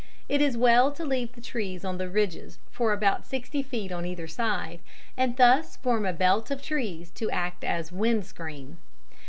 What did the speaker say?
It is well to leave the trees on the ridges for about sixty feet on either side, and thus form a belt of trees to act as wind screen.